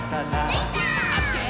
「オッケー！